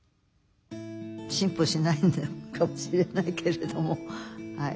進歩しないのかもしれないけれどもはい。